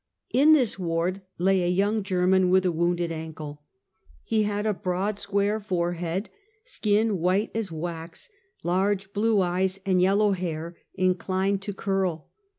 In this ward lay a young German with a wounded ankle. He had a broad, square forehead, skin white as wax, large blue eyes and yellow hair, inclined to curl.